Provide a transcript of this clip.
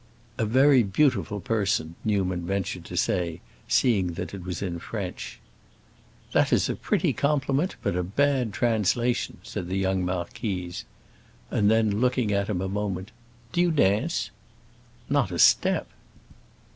"A very beautiful person," Newman ventured to say, seeing that it was in French. "That is a pretty compliment but a bad translation," said the young marquise. And then, looking at him a moment, "Do you dance?" "Not a step."